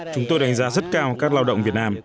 chúng tôi đánh giá rất cao các lao động việt nam